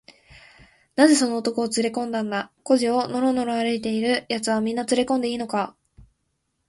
「なぜその男をつれこんだんだ？小路をのろのろ歩いているやつは、みんなつれこんでいいのか？」